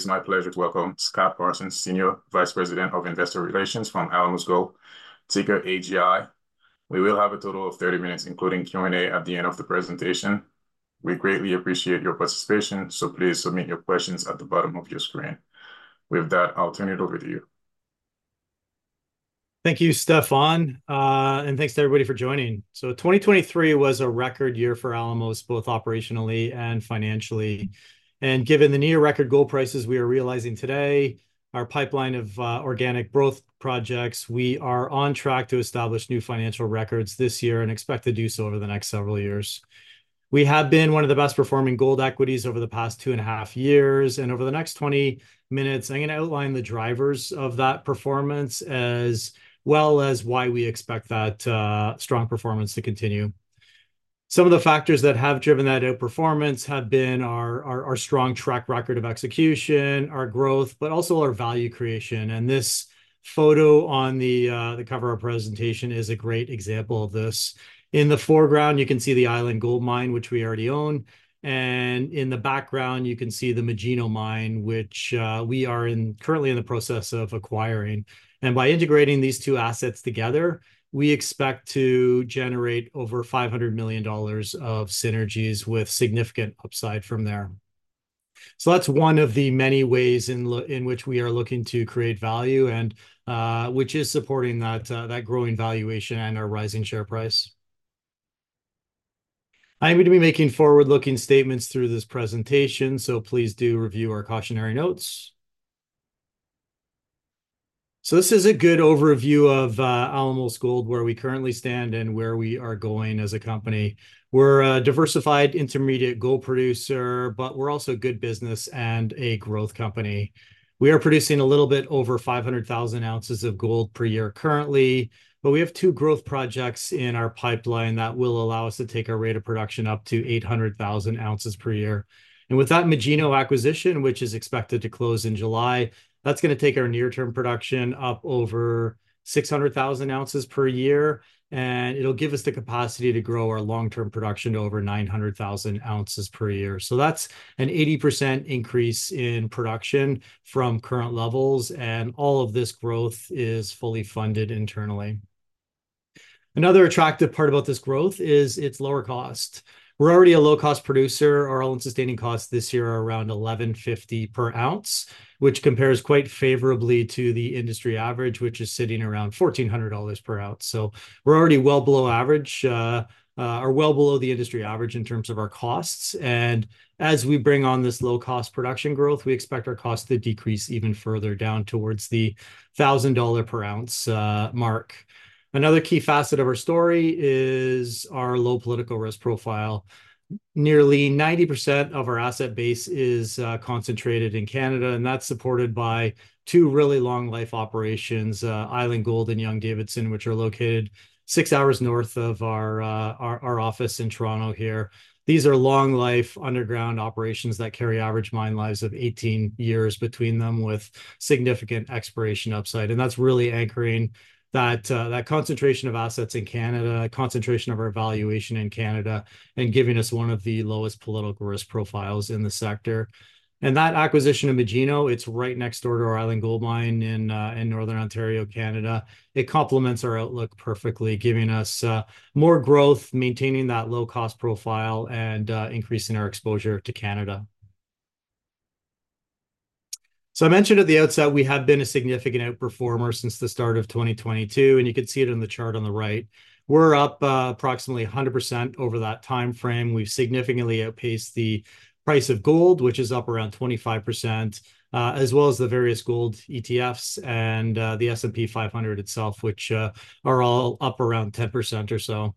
It is my pleasure to welcome Scott Parsons, Senior Vice President of Investor Relations from Alamos Gold, ticker AGI. We will have a total of 30 minutes, including Q&A, at the end of the presentation. We greatly appreciate your participation, so please submit your questions at the bottom of your screen. With that, I'll turn it over to you. Thank you, Stefan, and thanks to everybody for joining. So, 2023 was a record year for Alamos, both operationally and financially. And given the near-record gold prices we are realizing today, our pipeline of organic growth projects, we are on track to establish new financial records this year and expect to do so over the next several years. We have been one of the best-performing gold equities over the past two and a half years. And over the next 20 minutes, I'm going to outline the drivers of that performance as well as why we expect that strong performance to continue. Some of the factors that have driven that outperformance have been our strong track record of execution, our growth, but also our value creation. And this photo on the cover of our presentation is a great example of this. In the foreground, you can see the Island Gold Mine, which we already own. In the background, you can see the Magino Mine, which we are currently in the process of acquiring. By integrating these two assets together, we expect to generate over $500 million of synergies with significant upside from there. That's one of the many ways in which we are looking to create value, and which is supporting that growing valuation and our rising share price. I am going to be making forward-looking statements through this presentation, so please do review our cautionary notes. This is a good overview of Alamos Gold, where we currently stand and where we are going as a company. We're a diversified intermediate gold producer, but we're also good business and a growth company. We are producing a little bit over 500,000 ounces of gold per year currently, but we have two growth projects in our pipeline that will allow us to take our rate of production up to 800,000 ounces per year. With that Magino acquisition, which is expected to close in July, that's going to take our near-term production up over 600,000 ounces per year, and it'll give us the capacity to grow our long-term production to over 900,000 ounces per year. That's an 80% increase in production from current levels, and all of this growth is fully funded internally. Another attractive part about this growth is its lower cost. We're already a low-cost producer. Our all-in sustaining costs this year are around $1,150 per ounce, which compares quite favorably to the industry average, which is sitting around $1,400 per ounce. We're already well below average, or well below the industry average in terms of our costs. And as we bring on this low-cost production growth, we expect our costs to decrease even further down towards the $1,000 per ounce mark. Another key facet of our story is our low political risk profile. Nearly 90% of our asset base is concentrated in Canada, and that's supported by two really long-life operations, Island Gold and Young-Davidson, which are located six hours north of our office in Toronto here. These are long-life underground operations that carry average mine lives of 18 years between them, with significant expansion upside. That's really anchoring that concentration of assets in Canada, a concentration of our valuation in Canada, and giving us one of the lowest political risk profiles in the sector. That acquisition of Magino, it's right next door to our Island Gold Mine in Northern Ontario, Canada. It complements our outlook perfectly, giving us more growth, maintaining that low-cost profile, and increasing our exposure to Canada. I mentioned at the outset we have been a significant outperformer since the start of 2022, and you can see it in the chart on the right. We're up approximately 100% over that time frame. We've significantly outpaced the price of gold, which is up around 25%, as well as the various gold ETFs and the S&P 500 itself, which are all up around 10% or so.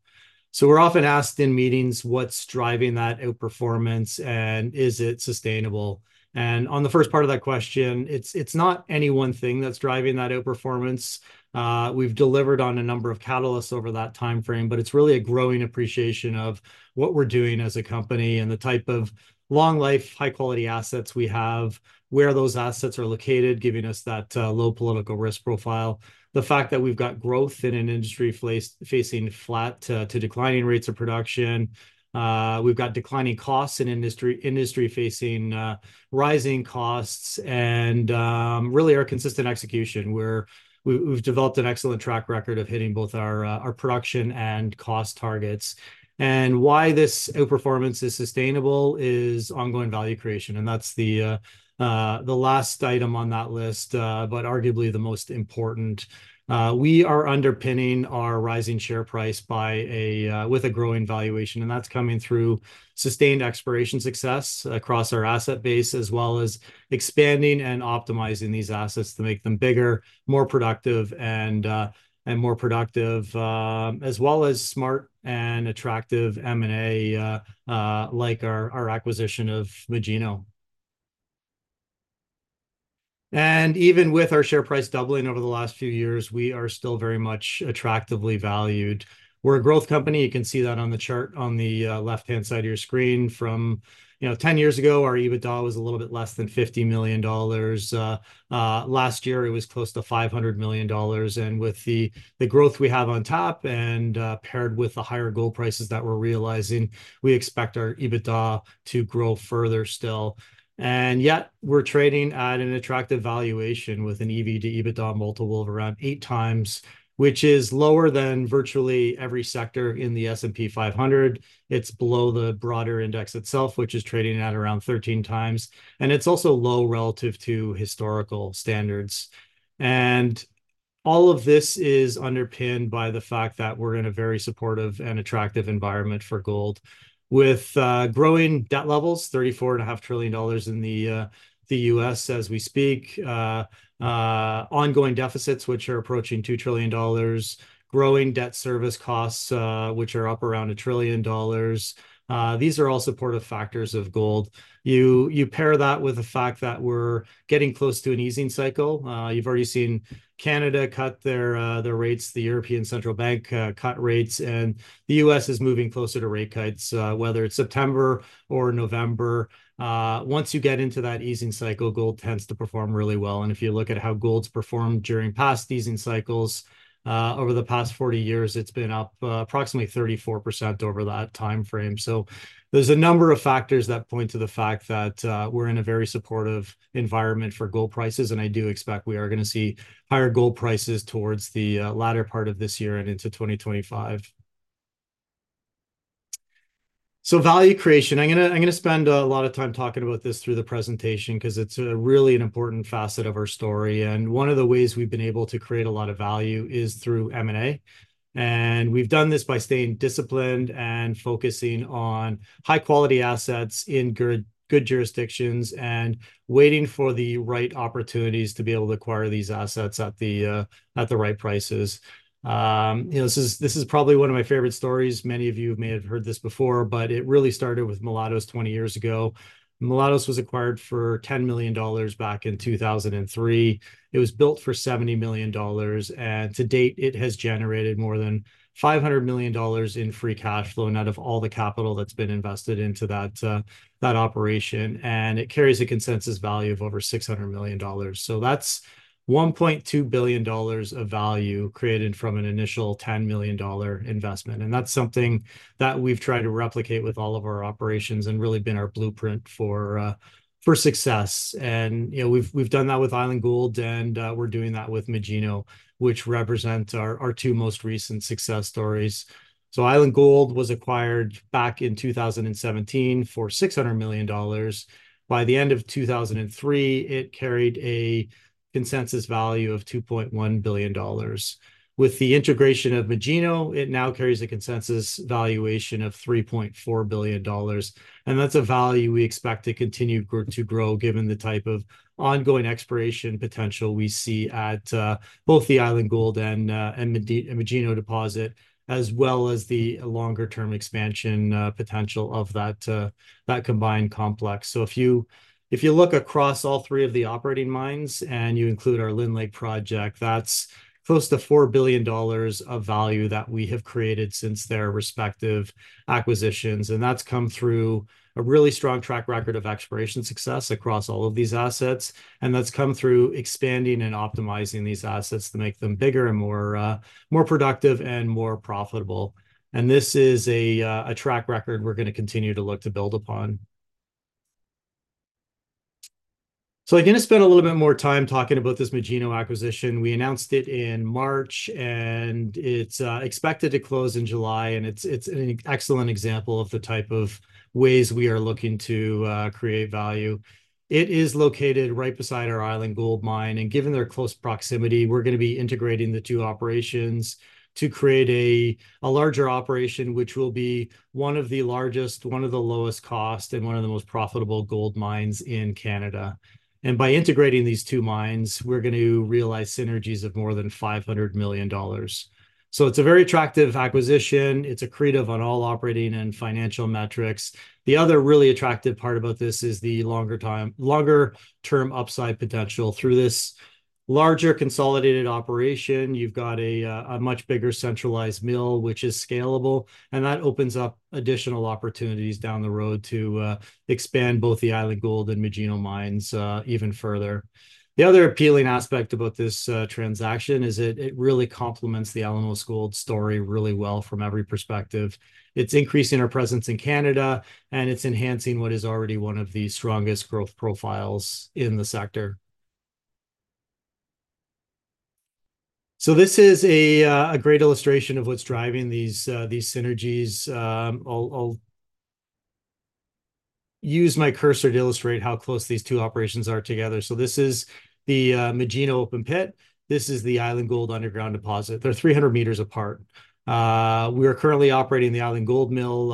We're often asked in meetings what's driving that outperformance, and is it sustainable? On the first part of that question, it's not any one thing that's driving that outperformance. We've delivered on a number of catalysts over that time frame, but it's really a growing appreciation of what we're doing as a company and the type of long-life, high-quality assets we have, where those assets are located, giving us that low political risk profile. The fact that we've got growth in an industry facing flat to declining rates of production. We've got declining costs in industry facing rising costs and really our consistent execution. We've developed an excellent track record of hitting both our production and cost targets. And why this outperformance is sustainable is ongoing value creation, and that's the last item on that list, but arguably the most important. We are underpinning our rising share price with a growing valuation, and that's coming through sustained operational success across our asset base, as well as expanding and optimizing these assets to make them bigger, more productive, and more productive, as well as smart and attractive M&A, like our acquisition of Magino. Even with our share price doubling over the last few years, we are still very much attractively valued. We're a growth company. You can see that on the chart on the left-hand side of your screen. From 10 years ago, our EBITDA was a little bit less than $50 million. Last year, it was close to $500 million. With the growth we have on top and paired with the higher gold prices that we're realizing, we expect our EBITDA to grow further still. And yet, we're trading at an attractive valuation with an EV/EBITDA multiple of around 8x, which is lower than virtually every sector in the S&P 500. It's below the broader index itself, which is trading at around 13x. It's also low relative to historical standards. All of this is underpinned by the fact that we're in a very supportive and attractive environment for gold, with growing debt levels, $34.5 trillion in the U.S. as we speak, ongoing deficits, which are approaching $2 trillion, growing debt service costs, which are up around $1 trillion. These are all supportive factors of gold. You pair that with the fact that we're getting close to an easing cycle. You've already seen Canada cut their rates, the European Central Bank cut rates, and the U.S. is moving closer to rate cuts, whether it's September or November. Once you get into that easing cycle, gold tends to perform really well. If you look at how gold's performed during past easing cycles, over the past 40 years, it's been up approximately 34% over that time frame. There's a number of factors that point to the fact that we're in a very supportive environment for gold prices, and I do expect we are going to see higher gold prices towards the latter part of this year and into 2025. Value creation, I'm going to spend a lot of time talking about this through the presentation because it's really an important facet of our story. One of the ways we've been able to create a lot of value is through M&A. And we've done this by staying disciplined and focusing on high-quality assets in good jurisdictions and waiting for the right opportunities to be able to acquire these assets at the right prices. This is probably one of my favorite stories. Many of you may have heard this before, but it really started with Mulatos 20 years ago. Mulatos was acquired for $10 million back in 2003. It was built for $70 million, and to date, it has generated more than $500 million in free cash flow out of all the capital that's been invested into that operation. And it carries a consensus value of over $600 million. So that's $1.2 billion of value created from an initial $10 million investment. And that's something that we've tried to replicate with all of our operations and really been our blueprint for success. We've done that with Island Gold, and we're doing that with Magino, which represents our two most recent success stories. So Island Gold was acquired back in 2017 for $600 million. By the end of 2023, it carried a consensus value of $2.1 billion. With the integration of Magino, it now carries a consensus valuation of $3.4 billion. And that's a value we expect to continue to grow given the type of ongoing exploration potential we see at both the Island Gold and Magino deposit, as well as the longer-term expansion potential of that combined complex. So if you look across all three of the operating mines and you include our Lynn Lake project, that's close to $4 billion of value that we have created since their respective acquisitions. And that's come through a really strong track record of exploration success across all of these assets. That's come through expanding and optimizing these assets to make them bigger and more productive and more profitable. This is a track record we're going to continue to look to build upon. So I'm going to spend a little bit more time talking about this Magino acquisition. We announced it in March, and it's expected to close in July. It's an excellent example of the type of ways we are looking to create value. It is located right beside our Island Gold Mine. Given their close proximity, we're going to be integrating the two operations to create a larger operation, which will be one of the largest, one of the lowest cost, and one of the most profitable gold mines in Canada. By integrating these two mines, we're going to realize synergies of more than $500 million. So it's a very attractive acquisition. It's accretive on all operating and financial metrics. The other really attractive part about this is the longer-term upside potential. Through this larger consolidated operation, you've got a much bigger centralized mill, which is scalable, and that opens up additional opportunities down the road to expand both the Island Gold and Magino mines even further. The other appealing aspect about this transaction is it really complements the Alamos Gold story really well from every perspective. It's increasing our presence in Canada, and it's enhancing what is already one of the strongest growth profiles in the sector. So this is a great illustration of what's driving these synergies. I'll use my cursor to illustrate how close these two operations are together. So this is the Magino open pit. This is the Island Gold underground deposit. They're 300 meters apart. We are currently operating the Island Gold Mill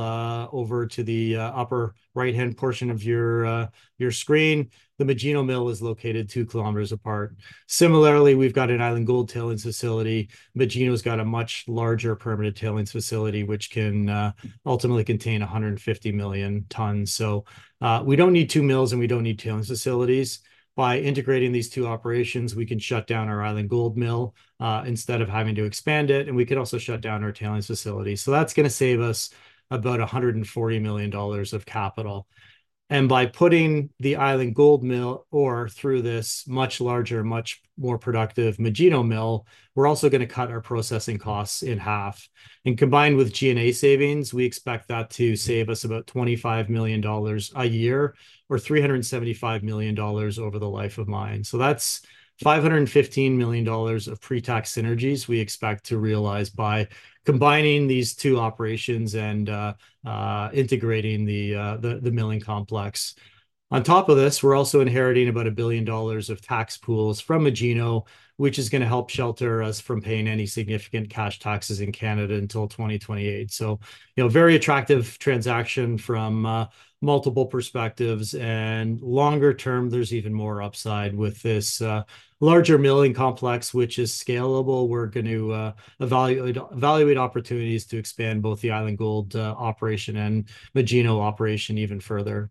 over to the upper right-hand portion of your screen. The Magino Mill is located 2 km apart. Similarly, we've got an Island Gold tailings facility. Magino's got a much larger permanent tailings facility, which can ultimately contain 150 million tonnes. So we don't need 2 mills, and we don't need tailings facilities. By integrating these two operations, we can shut down our Island Gold Mill instead of having to expand it, and we can also shut down our tailings facility. So that's going to save us about $140 million of capital. And by putting the Island Gold Mill or through this much larger, much more productive Magino Mill, we're also going to cut our processing costs in half. And combined with G&A savings, we expect that to save us about $25 million a year or $375 million over the life of mine. So that's $515 million of pre-tax synergies we expect to realize by combining these two operations and integrating the milling complex. On top of this, we're also inheriting about $1 billion of tax pools from Magino, which is going to help shelter us from paying any significant cash taxes in Canada until 2028. So a very attractive transaction from multiple perspectives. And longer term, there's even more upside with this larger milling complex, which is scalable. We're going to evaluate opportunities to expand both the Island Gold operation and Magino operation even further.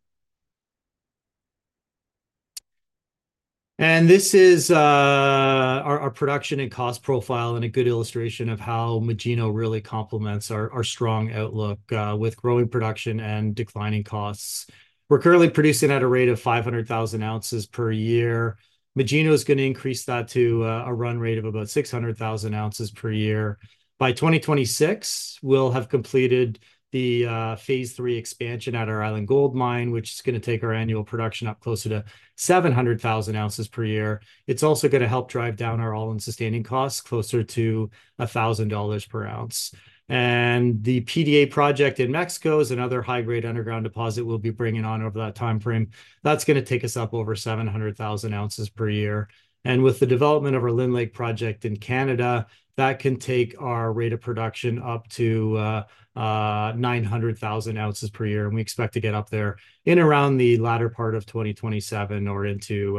And this is our production and cost profile and a good illustration of how Magino really complements our strong outlook with growing production and declining costs. We're currently producing at a rate of 500,000 ounces per year. Magino is going to increase that to a run rate of about 600,000 ounces per year. By 2026, we'll have completed the phase III expansion at our Island Gold Mine, which is going to take our annual production up closer to 700,000 ounces per year. It's also going to help drive down our all-in sustaining costs closer to $1,000 per ounce. The PDA Project in Mexico is another high-grade underground deposit we'll be bringing on over that time frame. That's going to take us up over 700,000 ounces per year. With the development of our Lynn Lake Project in Canada, that can take our rate of production up to 900,000 ounces per year. We expect to get up there in around the latter part of 2027 or into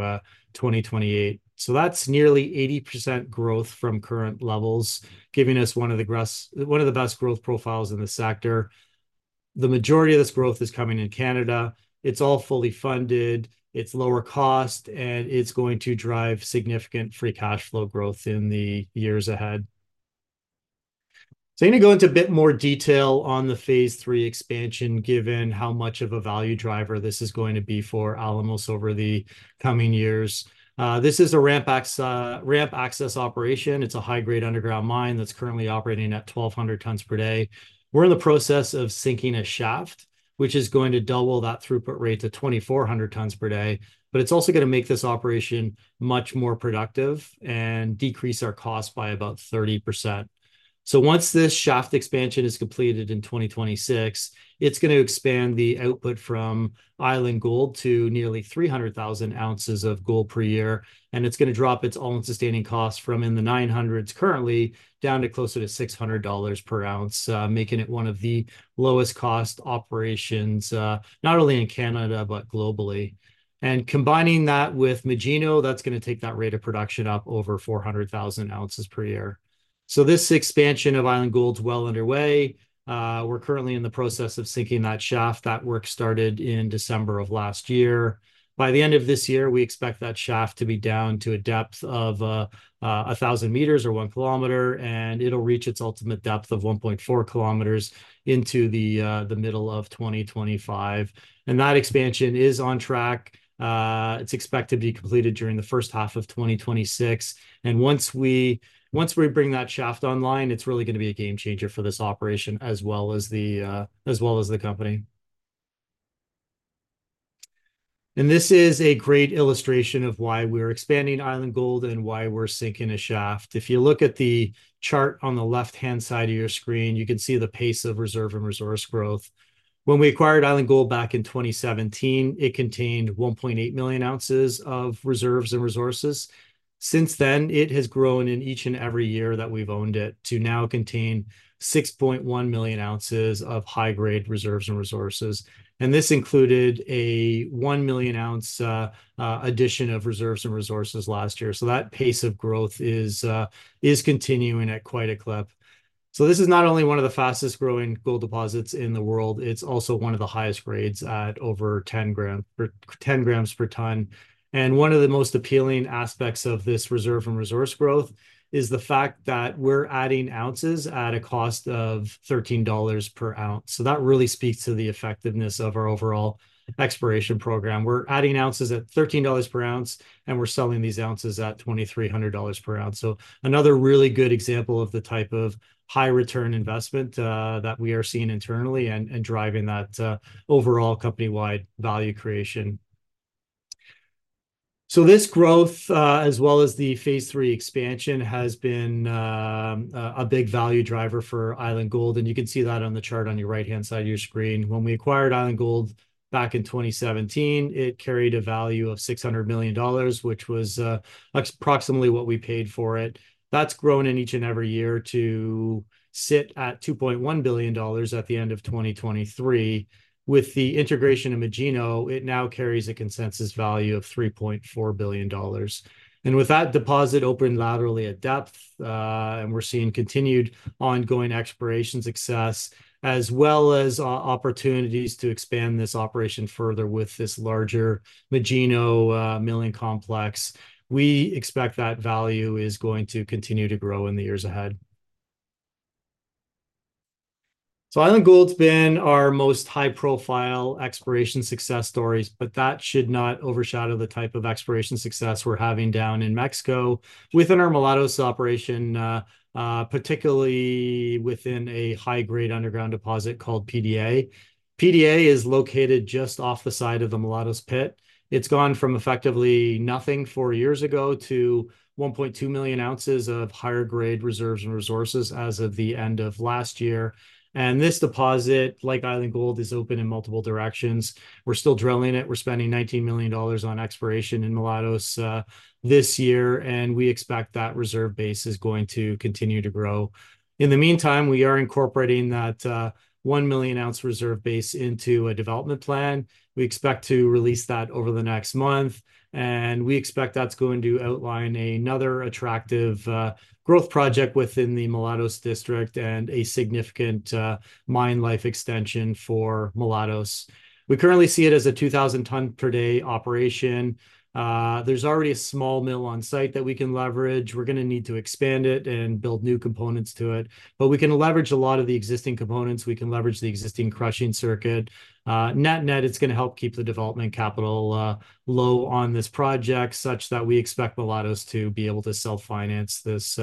2028. So that's nearly 80% growth from current levels, giving us one of the best growth profiles in the sector. The majority of this growth is coming in Canada. It's all fully funded. It's lower cost, and it's going to drive significant free cash flow growth in the years ahead. So I'm going to go into a bit more detail on the phase III expansion, given how much of a value driver this is going to be for Alamos over the coming years. This is a ramp access operation. It's a high-grade underground mine that's currently operating at 1,200 tonnes per day. We're in the process of sinking a shaft, which is going to double that throughput rate to 2,400 tonnes per day. But it's also going to make this operation much more productive and decrease our cost by about 30%. So once this shaft expansion is completed in 2026, it's going to expand the output from Island Gold to nearly 300,000 ounces of gold per year. It's going to drop its all-in sustaining cost from in the 900s currently down to closer to $600 per ounce, making it one of the lowest cost operations not only in Canada, but globally. Combining that with Magino, that's going to take that rate of production up over 400,000 ounces per year. This expansion of Island Gold's well underway. We're currently in the process of sinking that shaft. That work started in December of last year. By the end of this year, we expect that shaft to be down to a depth of 1,000 meters or 1 km, and it'll reach its ultimate depth of 1.4 km into the middle of 2025. That expansion is on track. It's expected to be completed during the first half of 2026. Once we bring that shaft online, it's really going to be a game changer for this operation as well as the company. This is a great illustration of why we're expanding Island Gold and why we're sinking a shaft. If you look at the chart on the left-hand side of your screen, you can see the pace of reserve and resource growth. When we acquired Island Gold back in 2017, it contained 1.8 million ounces of reserves and resources. Since then, it has grown in each and every year that we've owned it to now contain 6.1 million ounces of high-grade reserves and resources. This included a 1 million-ounce addition of reserves and resources last year. That pace of growth is continuing at quite a clip. So this is not only one of the fastest-growing gold deposits in the world, it's also one of the highest grades at over 10 grams per tonne. One of the most appealing aspects of this reserve and resource growth is the fact that we're adding ounces at a cost of $13 per ounce. That really speaks to the effectiveness of our overall exploration program. We're adding ounces at $13 per ounce, and we're selling these ounces at $2,300 per ounce. Another really good example of the type of high-return investment that we are seeing internally and driving that overall company-wide value creation. This growth, as well as the phase III expansion, has been a big value driver for Island Gold. You can see that on the chart on your right-hand side of your screen. When we acquired Island Gold back in 2017, it carried a value of $600 million, which was approximately what we paid for it. That's grown in each and every year to sit at $2.1 billion at the end of 2023. With the integration of Magino, it now carries a consensus value of $3.4 billion. And with that deposit opened laterally at depth, and we're seeing continued ongoing exploration success, as well as opportunities to expand this operation further with this larger Magino milling complex, we expect that value is going to continue to grow in the years ahead. So Island Gold's been our most high-profile exploration success stories, but that should not overshadow the type of exploration success we're having down in Mexico within our Mulatos operation, particularly within a high-grade underground deposit called PDA. PDA is located just off the side of the Mulatos pit. It's gone from effectively nothing four years ago to 1.2 million ounces of higher-grade reserves and resources as of the end of last year. And this deposit, like Island Gold, is open in multiple directions. We're still drilling it. We're spending $19 million on exploration in Mulatos this year, and we expect that reserve base is going to continue to grow. In the meantime, we are incorporating that 1 million-ounce reserve base into a development plan. We expect to release that over the next month. And we expect that's going to outline another attractive growth project within the Mulatos district and a significant mine life extension for Mulatos. We currently see it as a 2,000-tonne-per-day operation. There's already a small mill on site that we can leverage. We're going to need to expand it and build new components to it. But we can leverage a lot of the existing components. We can leverage the existing crushing circuit. Net-net, it's going to help keep the development capital low on this project such that we expect Mulatos to be able to self-finance this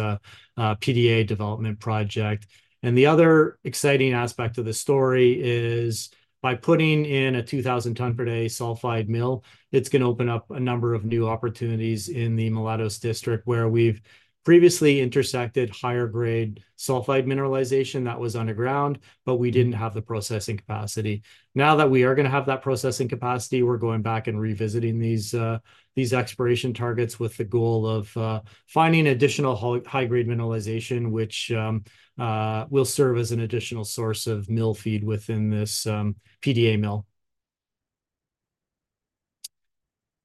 PDA development project. The other exciting aspect of the story is by putting in a 2,000-tonne-per-day sulphide mill, it's going to open up a number of new opportunities in the Mulatos district where we've previously intersected higher-grade sulphide mineralization that was underground, but we didn't have the processing capacity. Now that we are going to have that processing capacity, we're going back and revisiting these exploration targets with the goal of finding additional high-grade mineralization, which will serve as an additional source of mill feed within this PDA Mill.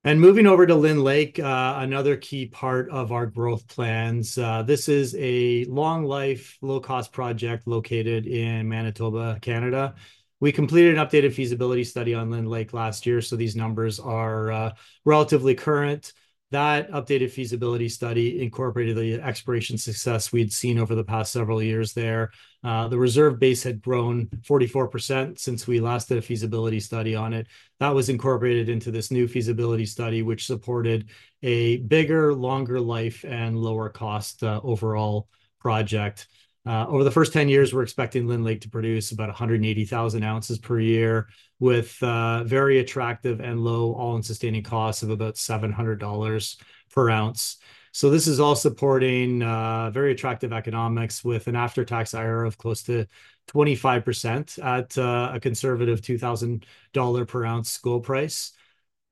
Moving over to Lynn Lake, another key part of our growth plans. This is a long-life, low-cost project located in Manitoba, Canada. We completed an updated feasibility study on Lynn Lake last year, so these numbers are relatively current. That updated feasibility study incorporated the exploration success we'd seen over the past several years there. The reserve base had grown 44% since we last did a feasibility study on it. That was incorporated into this new feasibility study, which supported a bigger, longer-life, and lower-cost overall project. Over the first 10 years, we're expecting Lynn Lake to produce about 180,000 ounces per year with very attractive and low all-in sustaining costs of about $700 per ounce. So this is all supporting very attractive economics with an after-tax IRR of close to 25% at a conservative $2,000 per ounce gold price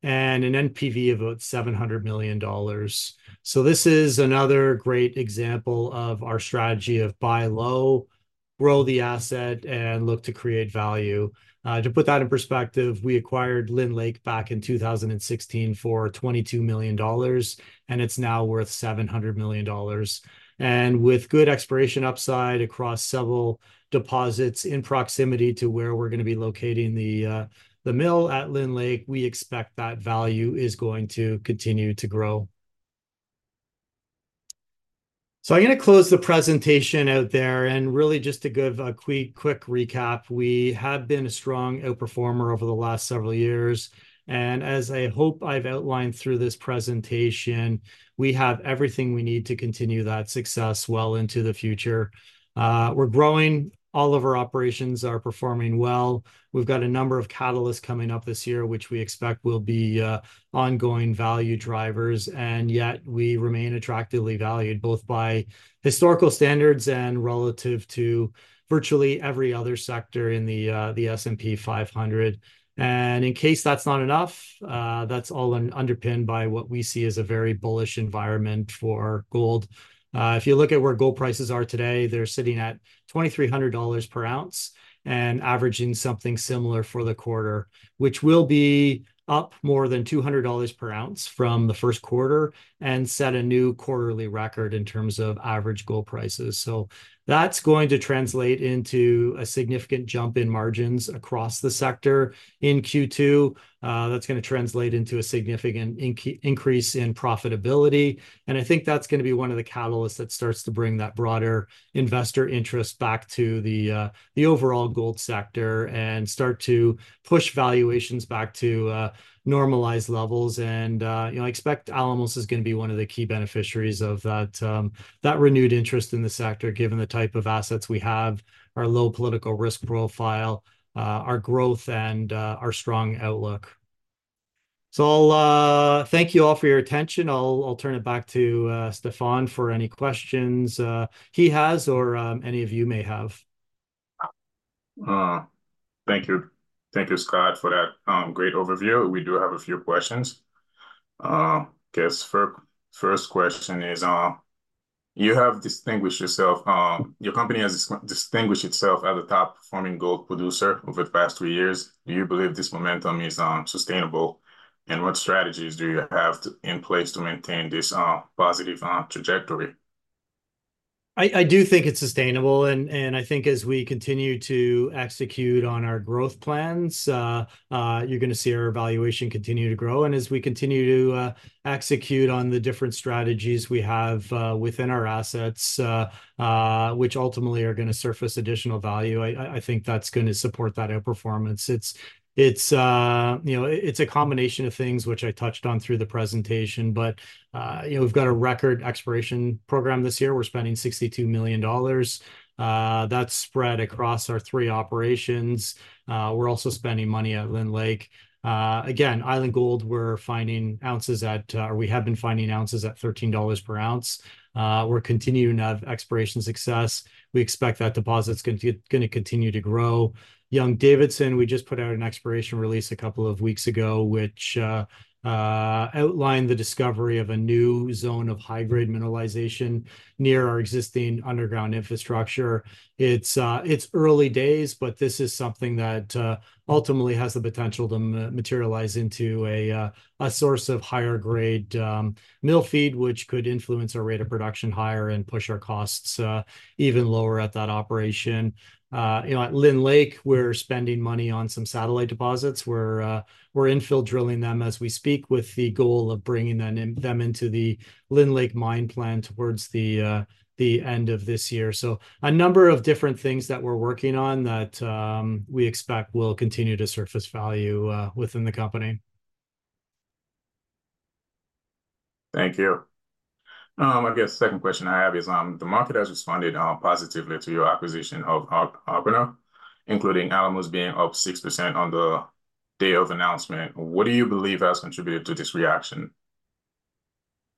and an NPV of about $700 million. So this is another great example of our strategy of buy low, grow the asset, and look to create value. To put that in perspective, we acquired Lynn Lake back in 2016 for $22 million, and it's now worth $700 million. And with good exploration upside across several deposits in proximity to where we're going to be locating the mill at Lynn Lake, we expect that value is going to continue to grow. So I'm going to close the presentation out there and really just to give a quick recap. We have been a strong outperformer over the last several years. And as I hope I've outlined through this presentation, we have everything we need to continue that success well into the future. We're growing. All of our operations are performing well. We've got a number of catalysts coming up this year, which we expect will be ongoing value drivers. And yet, we remain attractively valued both by historical standards and relative to virtually every other sector in the S&P 500. And in case that's not enough, that's all underpinned by what we see as a very bullish environment for gold. If you look at where gold prices are today, they're sitting at $2,300 per ounce and averaging something similar for the quarter, which will be up more than $200 per ounce from the first quarter and set a new quarterly record in terms of average gold prices. So that's going to translate into a significant jump in margins across the sector in Q2. That's going to translate into a significant increase in profitability. And I think that's going to be one of the catalysts that starts to bring that broader investor interest back to the overall gold sector and start to push valuations back to normalized levels. And I expect Alamos is going to be one of the key beneficiaries of that renewed interest in the sector, given the type of assets we have, our low political risk profile, our growth, and our strong outlook. So I'll thank you all for your attention. I'll turn it back to Stefan for any questions he has or any of you may have. Thank you. Thank you, Scott, for that great overview. We do have a few questions. I guess first question is, you have distinguished yourself. Your company has distinguished itself as a top-performing gold producer over the past three years. Do you believe this momentum is sustainable? And what strategies do you have in place to maintain this positive trajectory? I do think it's sustainable. And I think as we continue to execute on our growth plans, you're going to see our valuation continue to grow. As we continue to execute on the different strategies we have within our assets, which ultimately are going to surface additional value, I think that's going to support that outperformance. It's a combination of things, which I touched on through the presentation. We've got a record exploration program this year. We're spending $62 million. That's spread across our three operations. We're also spending money at Lynn Lake. Again, Island Gold, we're finding ounces at, or we have been finding ounces at $13 per ounce. We're continuing to have exploration success. We expect that deposit's going to continue to grow. Young-Davidson, we just put out an exploration release a couple of weeks ago, which outlined the discovery of a new zone of high-grade mineralization near our existing underground infrastructure. It's early days, but this is something that ultimately has the potential to materialize into a source of higher-grade mill feed, which could influence our rate of production higher and push our costs even lower at that operation. At Lynn Lake, we're spending money on some satellite deposits. We're infill drilling them as we speak with the goal of bringing them into the Lynn Lake mine plan towards the end of this year. So a number of different things that we're working on that we expect will continue to surface value within the company. Thank you. I guess the second question I have is, the market has responded positively to your acquisition of Argonaut, including Alamos being up 6% on the day of announcement. What do you believe has contributed to this reaction?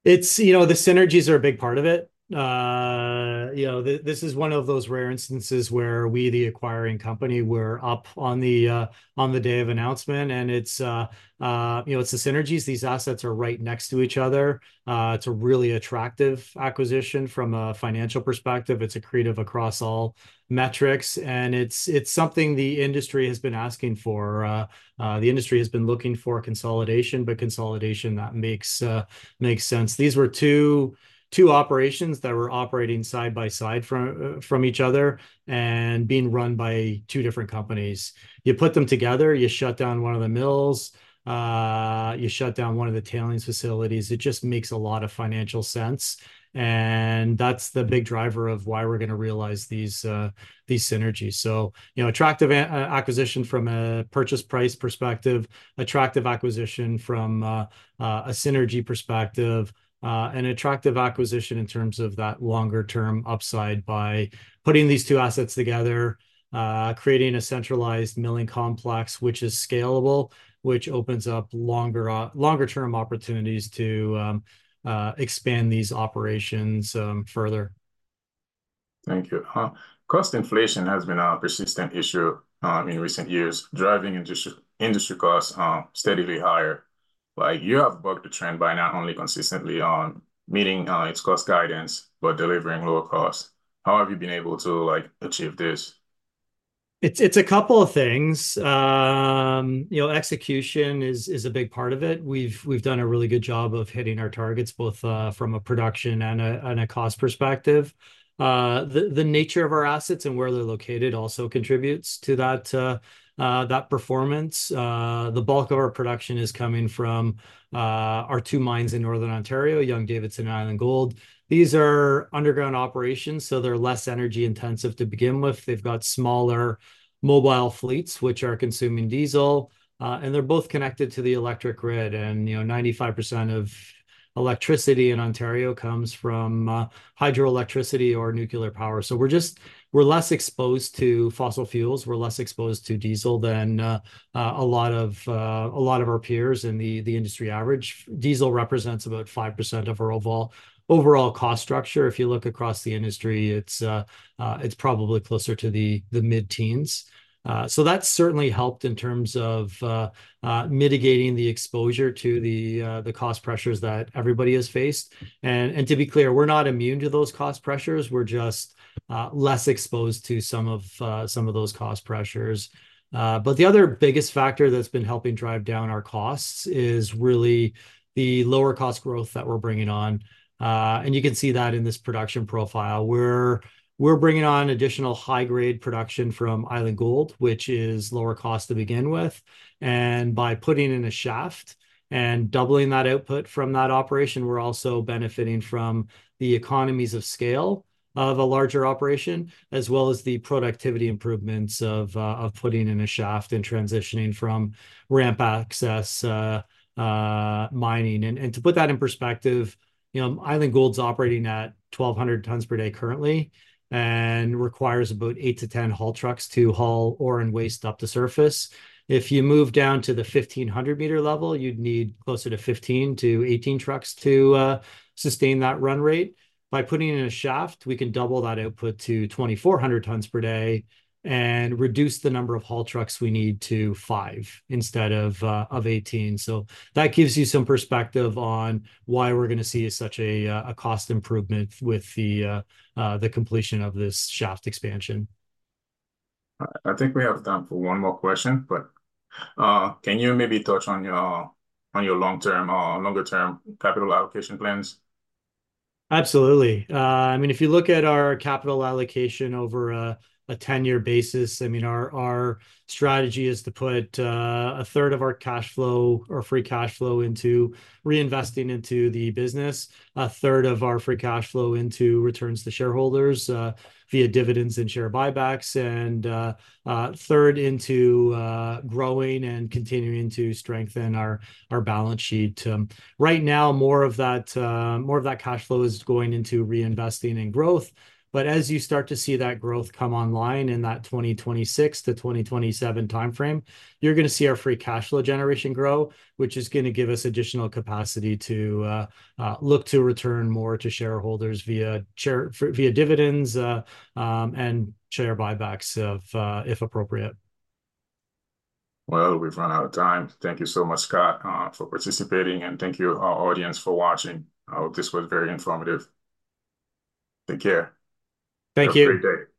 The synergies are a big part of it. This is one of those rare instances where we, the acquiring company, were up on the day of announcement. And it's the synergies. These assets are right next to each other. It's a really attractive acquisition from a financial perspective. It's accretive across all metrics. And it's something the industry has been asking for. The industry has been looking for consolidation, but consolidation that makes sense. These were two operations that were operating side by side from each other and being run by two different companies. You put them together, you shut down one of the mills, you shut down one of the tailings facilities. It just makes a lot of financial sense. And that's the big driver of why we're going to realize these synergies. So attractive acquisition from a purchase price perspective, attractive acquisition from a synergy perspective, and attractive acquisition in terms of that longer-term upside by putting these two assets together, creating a centralized milling complex, which is scalable, which opens up longer-term opportunities to expand these operations further. Thank you. Cost inflation has been a persistent issue in recent years, driving industry costs steadily higher. You have bucked the trend by not only consistently meeting its cost guidance, but delivering lower costs. How have you been able to achieve this? It's a couple of things. Execution is a big part of it. We've done a really good job of hitting our targets both from a production and a cost perspective. The nature of our assets and where they're located also contributes to that performance. The bulk of our production is coming from our two mines in Northern Ontario, Young-Davidson and Island Gold. These are underground operations, so they're less energy intensive to begin with. They've got smaller mobile fleets, which are consuming diesel. They're both connected to the electric grid. 95% of electricity in Ontario comes from hydroelectricity or nuclear power. So we're less exposed to fossil fuels. We're less exposed to diesel than a lot of our peers in the industry average. Diesel represents about 5% of our overall cost structure. If you look across the industry, it's probably closer to the mid-teens. So that's certainly helped in terms of mitigating the exposure to the cost pressures that everybody has faced. To be clear, we're not immune to those cost pressures. We're just less exposed to some of those cost pressures. The other biggest factor that's been helping drive down our costs is really the lower-cost growth that we're bringing on. You can see that in this production profile. We're bringing on additional high-grade production from Island Gold, which is lower cost to begin with. By putting in a shaft and doubling that output from that operation, we're also benefiting from the economies of scale of a larger operation, as well as the productivity improvements of putting in a shaft and transitioning from ramp access mining. To put that in perspective, Island Gold's operating at 1,200 tonnes per day currently and requires about 8-10 haul trucks to haul ore and waste up to surface. If you move down to the 1,500-meter level, you'd need closer to 15-18 trucks to sustain that run rate. By putting in a shaft, we can double that output to 2,400 tonnes per day and reduce the number of haul trucks we need to 5 instead of 18. So that gives you some perspective on why we're going to see such a cost improvement with the completion of this shaft expansion. I think we have time for one more question, but can you maybe touch on your long-term capital allocation plans? Absolutely. I mean, if you look at our capital allocation over a 10-year basis, I mean, our strategy is to put a third of our cash flow or free cash flow into reinvesting into the business, a third of our free cash flow into returns to shareholders via dividends and share buybacks, and a third into growing and continuing to strengthen our balance sheet. Right now, more of that cash flow is going into reinvesting and growth. As you start to see that growth come online in that 2026-2027 timeframe, you're going to see our free cash flow generation grow, which is going to give us additional capacity to look to return more to shareholders via dividends and share buybacks if appropriate. Well, we've run out of time. Thank you so much, Scott, for participating. Thank you, audience, for watching. I hope this was very informative. Take care. Thank you. Have a great day.